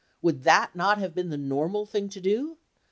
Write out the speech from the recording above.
Would that not have been the normal thing to do